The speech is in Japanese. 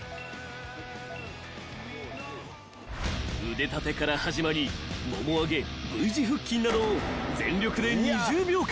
［腕立てから始まりもも上げＶ字腹筋などを全力で２０秒間］